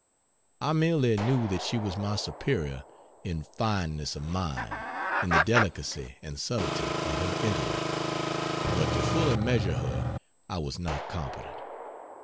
I merely knew that she was my superior in fineness of mind, in the delicacy and subtlety of her intellect, but to fully measure her I was not competent.